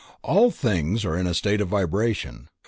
All things are in a state of vibration.